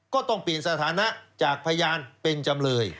ก็ต้องเปลี่ยนสถานะจากพยานเป็นจำเลย